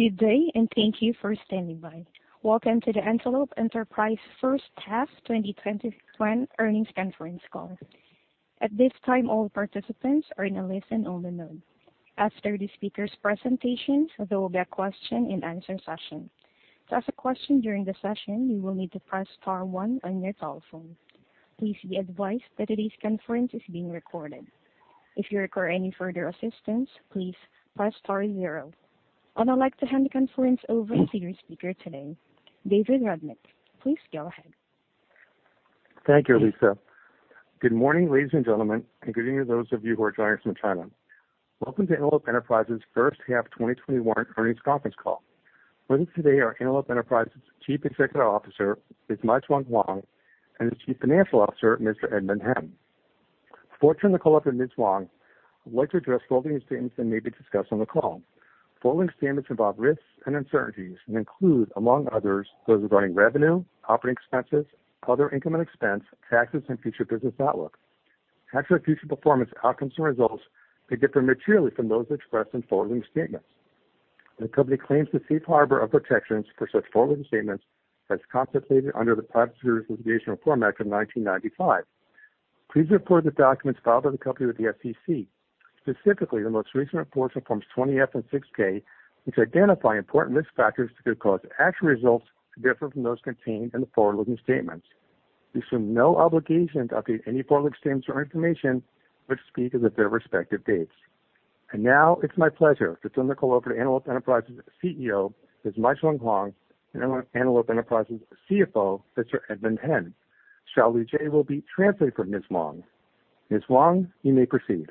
Good day, thank you for standing by. Welcome to the Antelope Enterprise first half 2021 earnings conference call. At this time, all participants are in a listen-only mode. After the speakers' presentations, there will be a question and answer session. To ask a question during the session, you will need to press star one on your telephone. Please be advised that today's conference is being recorded. If you require any further assistance, please press star zero. I'd like to hand the conference over to your speaker today, David Rudnick. Please go ahead. Thank you, Lisa. Good morning, ladies and gentlemen, and good evening those of you who are joining us from China. Welcome to Antelope Enterprise's first half 2021 earnings conference call. With us today are Antelope Enterprise's Chief Executive Officer, Ms. Meishuang Huang, and its Chief Financial Officer, Mr. Edmund Hen. Before I turn the call over to Ms. Huang, I would like to address forward-looking statements that may be discussed on the call. Forward-looking statements involve risks and uncertainties, and include, among others, those regarding revenue, operating expenses, other income and expense, taxes and future business outlook. Actual future performance, outcomes, and results may differ materially from those expressed in forward-looking statements. The company claims the safe harbor of protections for such forward-looking statements as contemplated under the Private Securities Litigation Reform Act of 1995. Please refer to the documents filed by the company with the SEC, specifically the most recent reports on Forms 20-F and 6-K, which identify important risk factors that could cause actual results to differ from those contained in the forward-looking statements. We assume no obligation to update any forward-looking statements or information, which speak as of their respective dates. Now it's my pleasure to turn the call over to Antelope Enterprise's CEO, Ms. Meishuang Huang, and Antelope Enterprise's CFO, Mr. Edmund Hen. Xiao Lu Ji will be translating for Ms. Huang. Ms. Huang, you may proceed.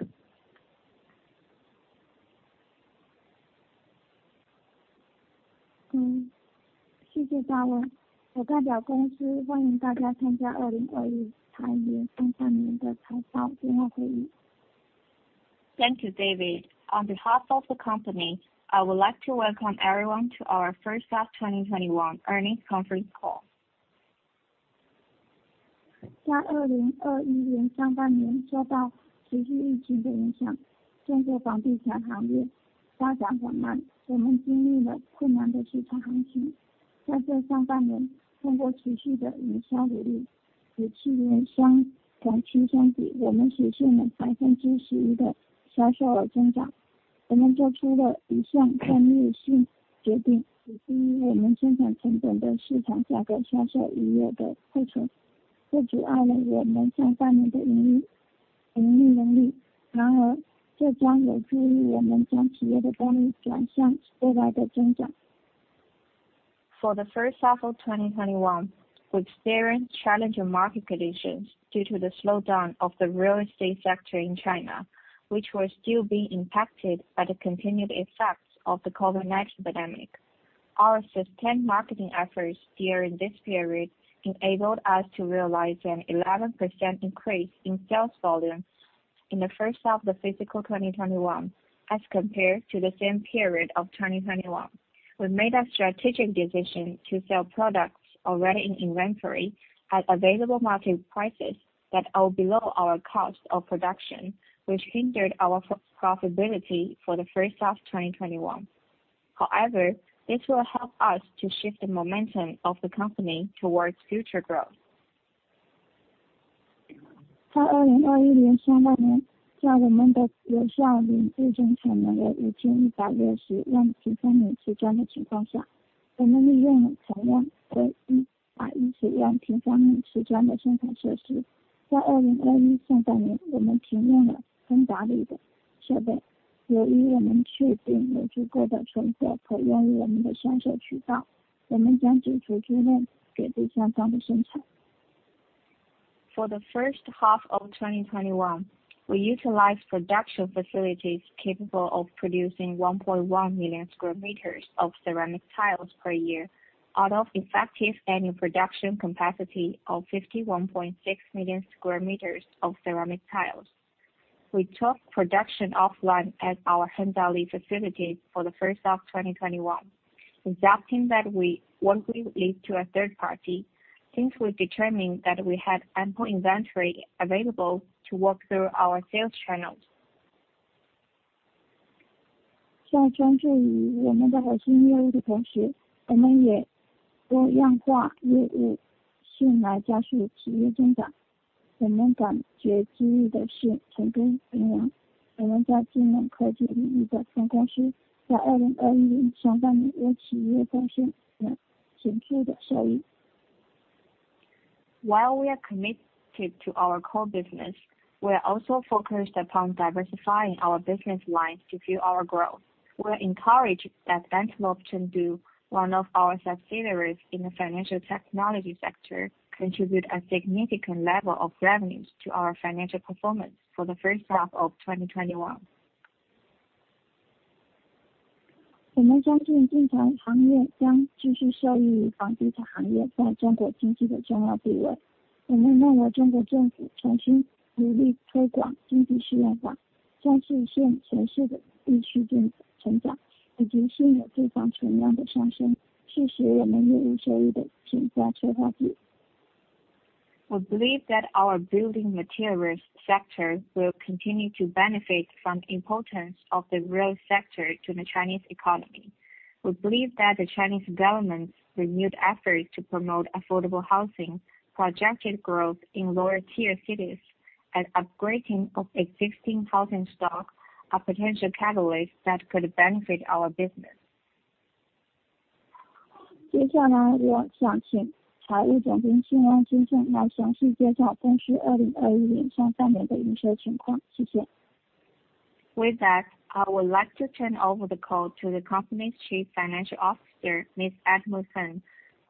Thank you, David. On behalf of the company, I would like to welcome everyone to our first half 2021 earnings conference call. For the first half of 2021, we experienced challenging market conditions due to the slowdown of the real estate sector in China, which was still being impacted by the continued effects of the COVID-19 pandemic. Our sustained marketing efforts during this period enabled us to realize an 11% increase in sales volume in the first half of fiscal 2021 as compared to the same period of 2021. We made a strategic decision to sell products already in inventory at available market prices that are below our cost of production, which hindered our profitability for the first half of 2021. This will help us to shift the momentum of the company towards future growth. For the first half of 2021, we utilized production facilities capable of producing 1.1 million sq m of ceramic tiles per year out of effective annual production capacity of 51.6 million sq m of ceramic tiles. We took production offline at our Hengda facility for the first half 2021, expecting that we won't lease to a third party since we determined that we had ample inventory available to work through our sales channels. While we are committed to our core business, we are also focused upon diversifying our business lines to fuel our growth. We are encouraged that Antelope Chengdu, one of our subsidiaries in the financial technology sector, contributed a significant level of revenues to our financial performance for the first half of 2021. We believe the industry will continue to benefit from the important position of the real estate industry in the Chinese economy. We expect that the Chinese government's renewed efforts to expand the economic expansion will continue the current market's steady growth, and existing housing prices will rise, driving our business earnings to further improve. We believe that our building materials sector will continue to benefit from importance of the real sector to the Chinese economy. We believe that the Chinese government's renewed efforts to promote affordable housing, projected growth in lower tier cities, and upgrading of existing housing stock are potential catalysts that could benefit our business. With that, I would like to turn over the call to the company's Chief Financial Officer, Mr. Edmund Hen,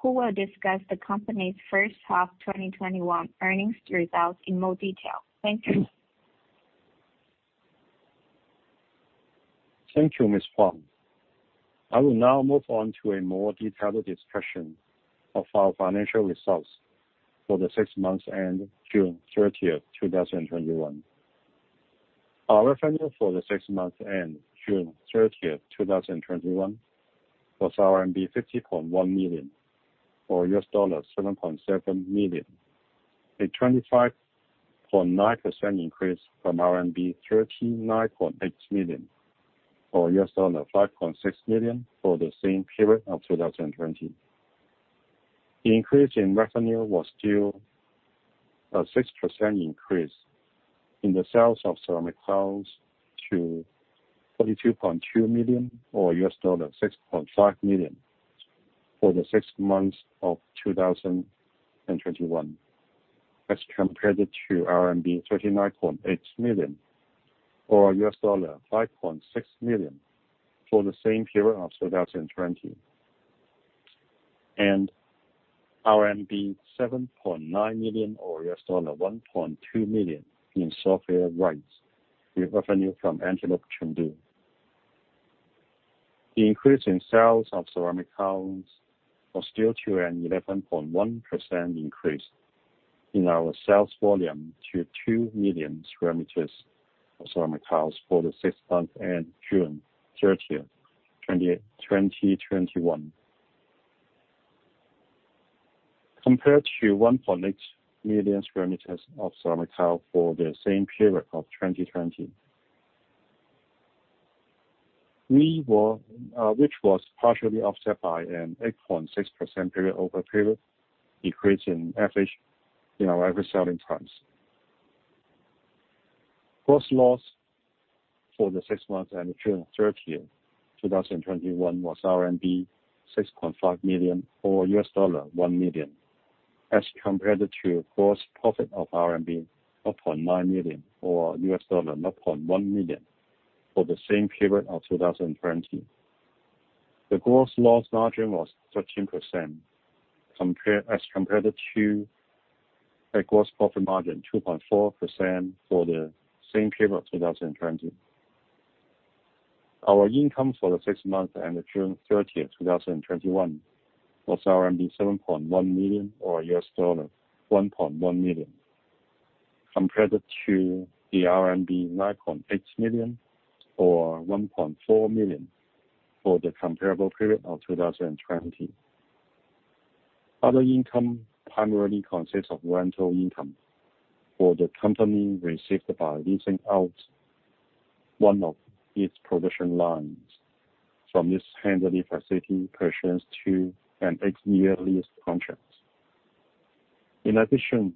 who will discuss the company's first half 2021 earnings results in more detail. Thank you. Thank you, Ms. Huang. I will now move on to a more detailed discussion of our financial results for the six months end June 30th, 2021. Our revenue for the six months end June 30th, 2021, was RMB 50.1 million, or $7.7 million, a 25.9% increase from RMB 39.8 million, or $5.6 million, for the same period of 2020. The increase in revenue was due a 6% increase in the sales of ceramic tiles to RMB 32.2 million, or $6.5 million, for the six months of 2021 as compared to RMB 39.8 million, or $5.6 million, for the same period of 2020, and RMB 7.9 million, or $1.2 million, in software rights with revenue from Antelope Chengdu. The increase in sales of ceramic tiles was due to an 11.1% increase in our sales volume to 2 million sq m of ceramic tiles for the six months end June 30th, 2021. Compared to 1.8 million sq m of ceramic tile for the same period of 2020, which was partially offset by an 8.6% period-over-period decrease in our average selling price. Gross loss for the six months end June 30th, 2021, was RMB 6.5 million, or $1 million, as compared to gross profit of RMB 0.9 million, or $0.1 million, for the same period of 2020. The gross loss margin was 13% as compared to a gross profit margin 2.4% for the same period of 2020. Our income for the six months end June 30th, 2021, was RMB 7.1 million, or $1.1 million, compared to the RMB 9.8 million, or $1.4 million, for the comparable period of 2020. Other income primarily consists of rental income for the company received by leasing out one of its production lines from its Hengda facility pursuant to an eight-year lease contract. In addition,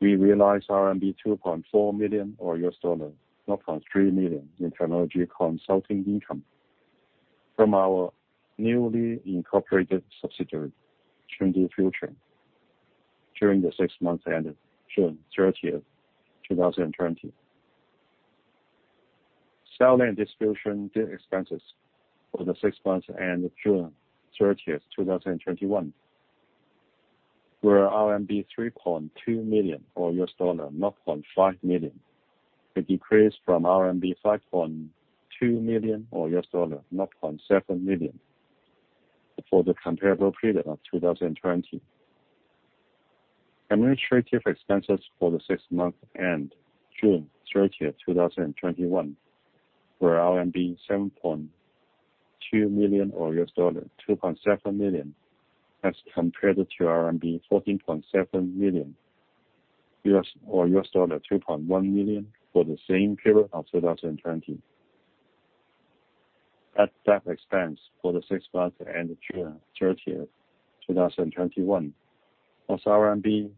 we realized RMB 2.4 million, or $0.3 million, in technology consulting income from our newly incorporated subsidiary, Chengdu Future, during the six months end June 30th, 2020. Selling and distribution expenses for the six months end June 30th, 2021, were RMB 3.2 million, or $0.5 million. A decrease from RMB 5.2 million, or $0.7 million, for the comparable period of 2020. Administrative expenses for the six month end June 30th, 2021, were RMB 7.2 million, or $2.7 million, as compared to RMB 14.7 million, or $2.1 million, for the same period of 2020. Bad debt expense for the six months end June 30th, 2021, was RMB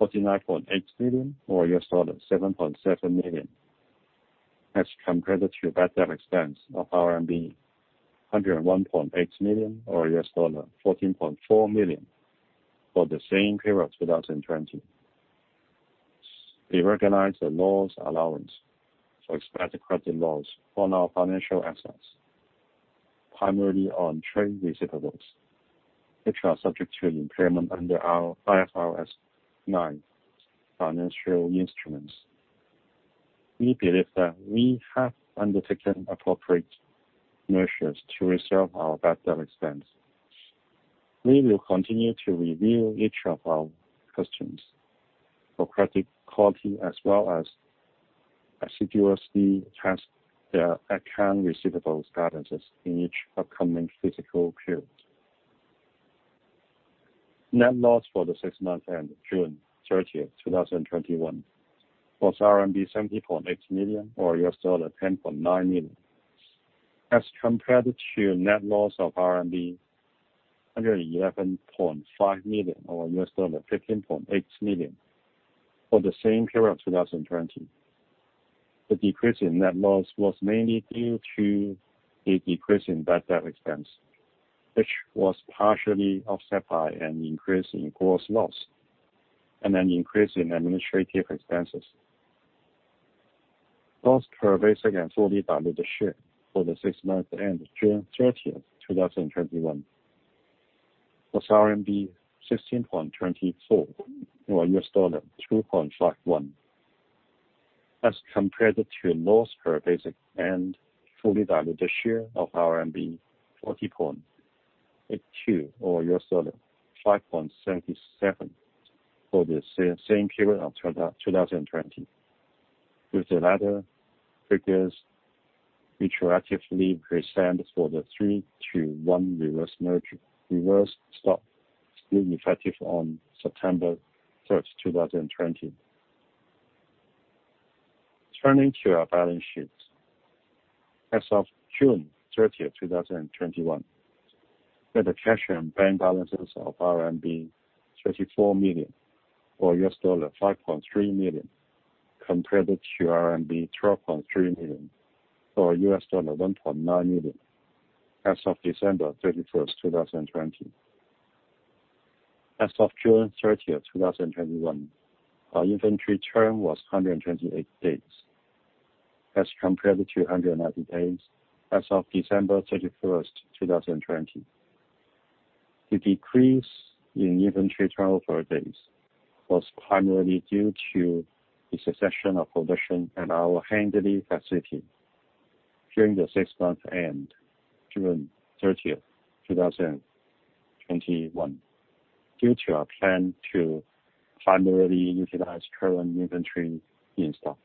49.8 million, or $7.7 million, as compared to bad debt expense of RMB 101.8 million, or $14.4 million, for the same period 2020. We recognize the loss allowance for expected credit loss on our financial assets, primarily on trade receivables, which are subject to impairment under our IFRS 9 financial instruments. We believe that we have undertaken appropriate measures to reserve our bad debt expense. We will continue to review each of our customers for credit quality as well as assiduously test their account receivables balances in each upcoming fiscal period. Net loss for the six months end June 30th, 2021 was RMB 70.8 million or $10.9 million as compared to net loss of RMB 111.5 million or $15.8 million for the same period 2020. The decrease in net loss was mainly due to a decrease in bad debt expense, which was partially offset by an increase in gross loss and an increase in administrative expenses. Loss per basic and fully diluted share for the six months end June 30th, 2021 was RMB 16.24 or $2.51 as compared to loss per basic and fully diluted share of RMB 40.82 or $5.77 for the same period of 2020, with the latter figures retroactively presented for the three to one reverse stock split effective on September 1st, 2020. Turning to our balance sheet. As of June 30th, 2021, we had a cash and bank balances of RMB 34 million or $5.3 million compared to RMB 12.3 million or $1.9 million as of December 31st, 2020. As of June 30th, 2021, our inventory turn was 128 days as compared to 119 days as of December 31st, 2020. The decrease in inventory turnover days was primarily due to the cessation of production at our Hengda facility during the six months end June 30th, 2021, due to our plan to primarily utilize current inventory in stock.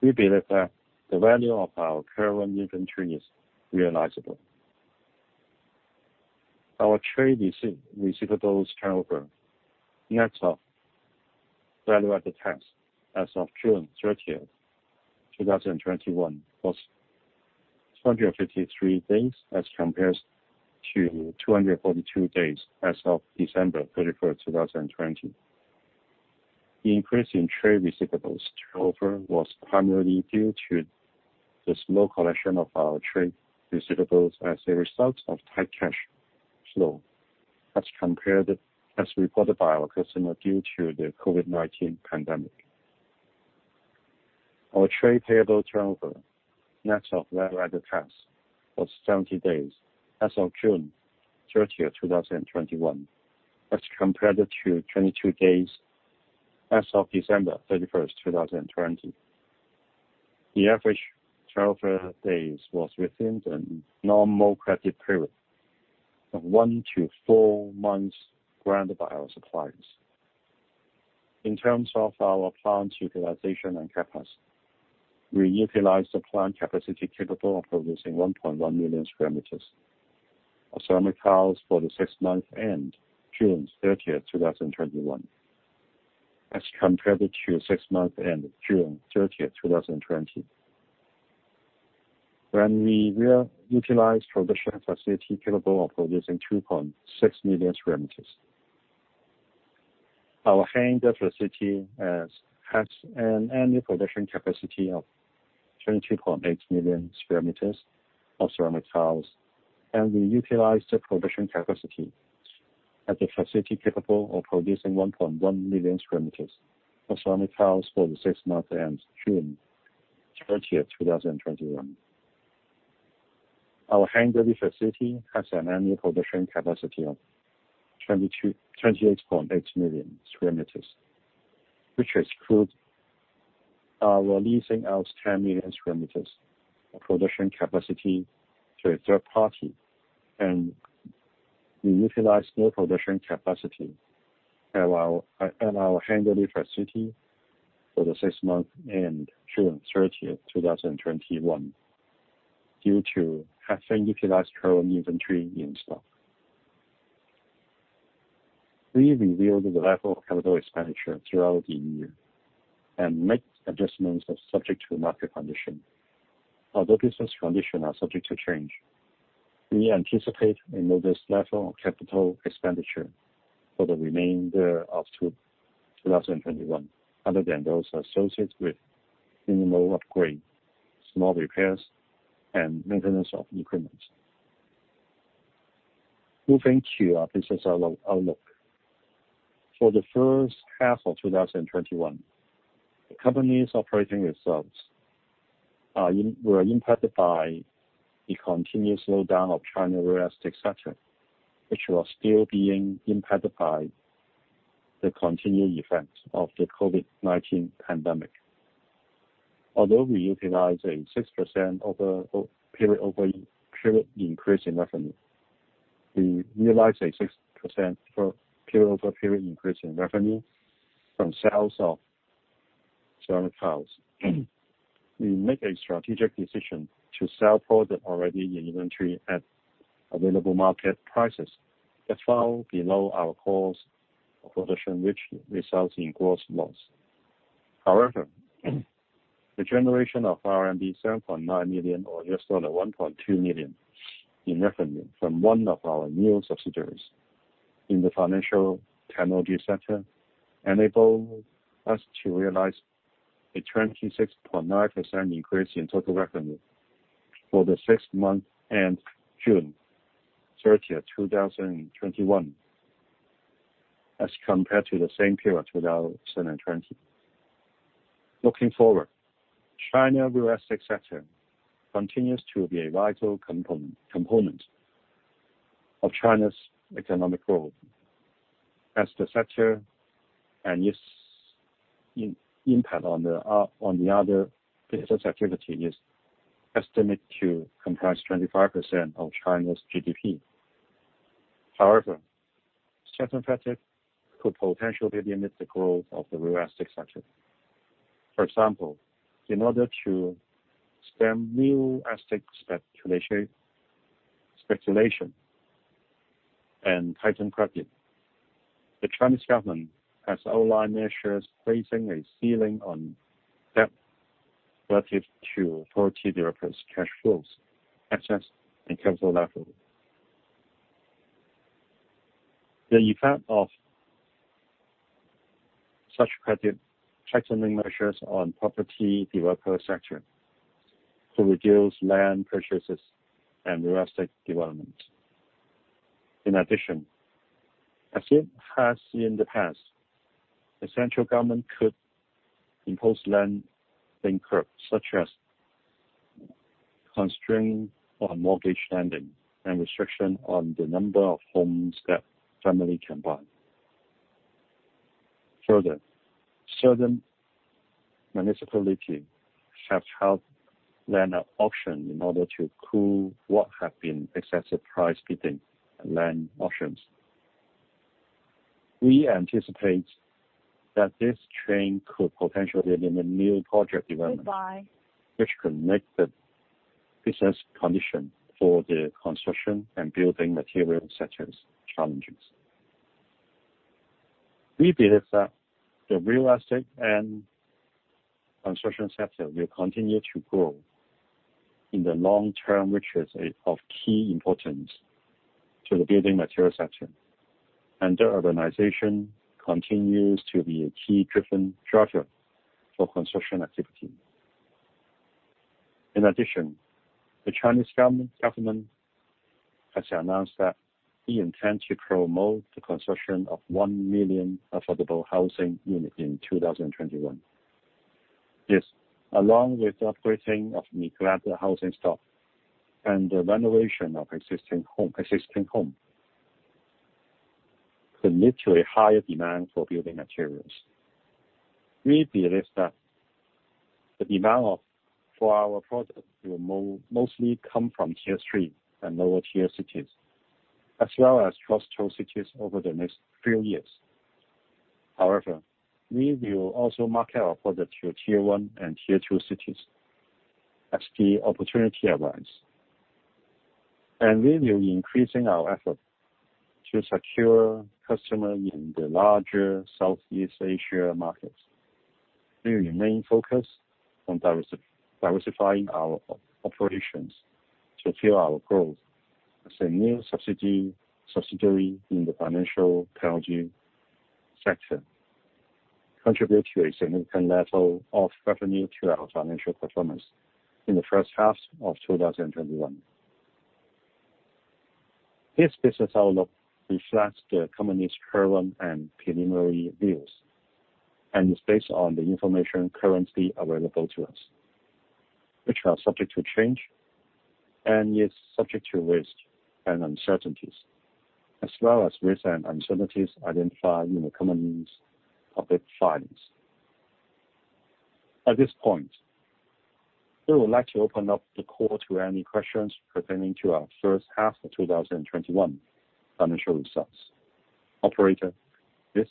We believe that the value of our current inventory is realizable. Our trade receivables turnover, net of value-added tax, as of June 30th, 2021, was 253 days as compared to 242 days as of December 31st, 2020. The increase in trade receivables turnover was primarily due to the slow collection of our trade receivables as a result of tight cash flow as reported by our customer due to the COVID-19 pandemic. Our trade payable turnover, net of value-added tax, was 70 days as of June 30th, 2021 as compared to 22 days as of December 31st, 2020. The average turnover days was within the normal credit period of one to four months granted by our suppliers. In terms of our plant utilization and capacity, we utilized the plant capacity capable of producing 1.1 million sq m of ceramic tiles for the six months end June 30, 2021, as compared to six months end June 30, 2020, when we utilized production capacity capable of producing 2.6 million sq m. Our Hengda facility has an annual production capacity of 22.8 million sq m of ceramic tiles, and we utilized the production capacity at the facility capable of producing 1.1 million sq m of ceramic tiles for the six months end June 30, 2021. Our Hengda facility has an annual production capacity of 28.8 million sq m, which excludes our leasing out 10 million sq m of production capacity to a third party, and we utilized no production capacity at our Hengda facility for the six months end June 30, 2021, due to having utilized current inventory in stock. We review the level of capital expenditure throughout the year and make adjustments subject to market conditions. Although business conditions are subject to change, we anticipate a modest level of capital expenditure for the remainder of 2021, other than those associated with minimal upgrades, small repairs, and maintenance of equipment. Moving to our business outlook. For the first half of 2021, the company's operating results were impacted by the continued slowdown of China real estate sector, which was still being impacted by the continued effects of the COVID-19 pandemic. Although we realized a 6% period-over-period increase in revenue from sales of ceramic tiles. We make a strategic decision to sell product already in inventory at available market prices that fall below our cost of production, which results in gross loss. However, the generation of RMB 7.9 million or $1.2 million in revenue from one of our new subsidiaries in the financial technology sector enabled us to realize a 26.9% increase in total revenue for the six months end June 30th, 2021, as compared to the same period 2020. Looking forward, China real estate sector continues to be a vital component of China's economic growth as the sector and its impact on the other business activity is estimated to comprise 25% of China's GDP. However, certain factors could potentially limit the growth of the real estate sector. For example, in order to stem new estate speculation and tighten credit, the Chinese government has outlined measures placing a ceiling on debt relative to property developers' cash flows, accessed at council level. The impact of such credit tightening measures on property developer sector could reduce land purchases and real estate development. In addition, as it has in the past, the central government could impose lending curbs, such as constraints on mortgage lending and restriction on the number of homes that family can buy. Further, certain municipality have held land auction in order to cool what have been excessive price bidding at land auctions. We anticipate that this trend could potentially limit new project development. Which could make the business condition for the construction and building material sectors challenging. We believe that the real estate and construction sector will continue to grow in the long term, which is of key importance to the building material sector. The urbanization continues to be a key driven driver for construction activity. In addition, the Chinese government has announced that they intend to promote the construction of 1 million affordable housing unit in 2021. This, along with the upgrading of neglected housing stock and the renovation of existing home, could lead to a higher demand for building materials. We believe that the demand for our products will mostly come from tier 3 and lower tier cities, as well as tier 4 cities over the next few years. However, we will also market our product to tier 1 and tier 2 cities as the opportunity arise. We will be increasing our effort to secure customers in the larger Southeast Asia markets. We remain focused on diversifying our operations to fuel our growth as a new subsidiary in the financial technology sector contribute to a significant level of revenue to our financial performance in the first half of 2021. This business outlook reflects the company's current and preliminary views and is based on the information currently available to us, which are subject to change and is subject to risk and uncertainties, as well as risks and uncertainties identified in the company's public filings. At this point, we would like to open up the call to any questions pertaining to our first half of 2021 financial results. Operator. Yes?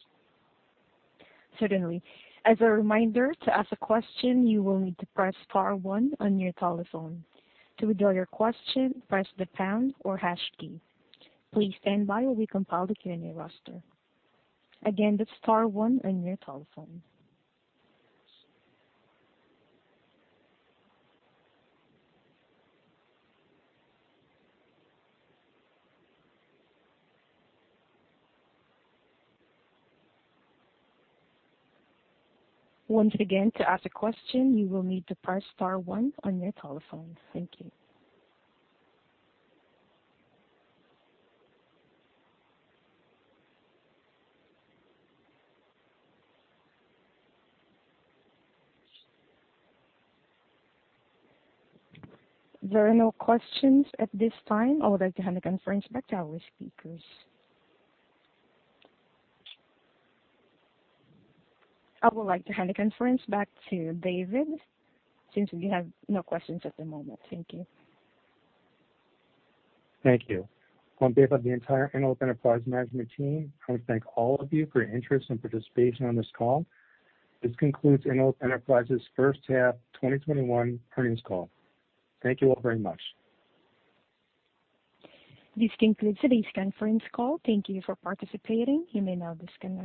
Certainly. As a reminder, to ask a question, you will need to press star one on your telephone. To withdraw your question, press the pound or hash key. Please stand by while we compile the Q&A roster. Again, that's star one on your telephone. Once again, to ask a question, you will need to press star one on your telephone. Thank you. There are no questions at this time. I would like to hand the conference back to our speakers. I would like to hand the conference back to David since we have no questions at the moment. Thank you. Thank you. On behalf of the entire Antelope Enterprise management team, I want to thank all of you for your interest and participation on this call. This concludes Antelope Enterprise's first half 2021 earnings call. Thank you all very much. This concludes today's conference call. Thank you for participating. You may now disconnect.